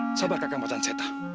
nah bongsit sampai kham quek